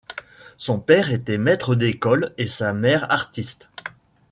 Son père était maître d'école et sa mère artiste.